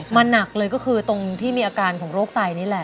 หนักเลยก็คือตรงที่มีอาการของโรคไตนี่แหละ